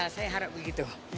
saya harap begitu